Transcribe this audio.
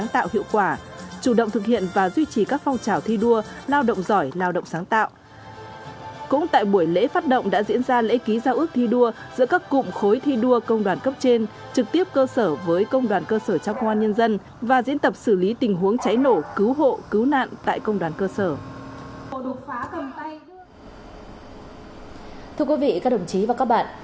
thưa quý vị các đồng chí và các bạn